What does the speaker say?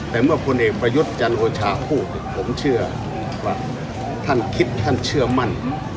แต่เมื่อพลเอกประยุทธ์จันโอชาพูดผมเชื่อว่าท่านคิดท่านเชื่อมั่น